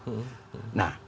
jadi sudah langsung ada